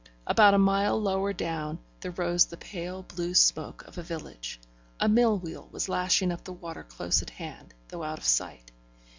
About a mile lower down there rose the pale blue smoke of a village, a mill wheel was lashing up the water close at hand, though out of sight.